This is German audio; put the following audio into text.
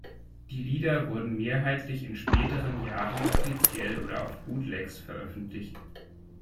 Die Lieder wurden mehrheitlich in späteren Jahren offiziell oder auf Bootlegs veröffentlicht.